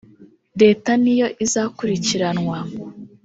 Leta niyo izakurikiranwa